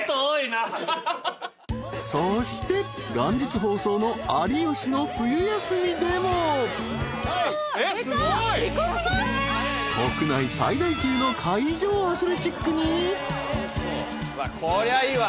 ［そして元日放送の『有吉の冬休み』でも］［国内最大級の］こりゃいいわ。